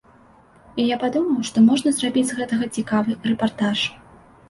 І я падумаў, што можна зрабіць з гэтага цікавы рэпартаж.